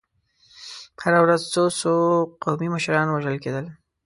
هره ورځ څو څو قومي مشران وژل کېدل.